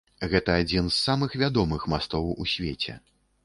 Гэта адзін з самых вядомых мастоў у свеце.